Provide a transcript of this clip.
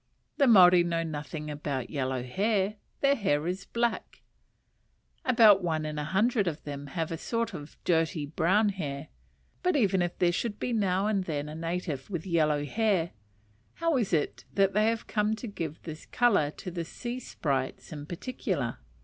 The Maori know nothing about yellow hair; their hair is black. About one in a hundred of them have a sort of dirty brown hair; but even if there should be now and then a native with yellow hair, how is it that they have come to give this colour to the sea sprites in particular?